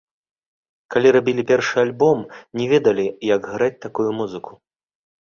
Калі рабілі першы альбом, не ведалі як граць такую музыку.